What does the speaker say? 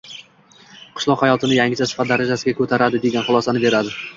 qishloq hayotini yangicha sifat darajasiga ko‘taradi degan xulosani beradi.